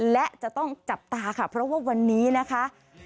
และจะต้องจับตาค่ะเพราะว่าวันนี้นะคะ